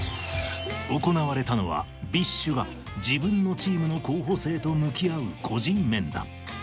行われたのはＢｉＳＨが自分のチームの候補生と向き合う個人面談